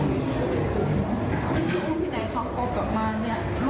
อุ่นที่ไหนเขาก็กลับมาเนี่ย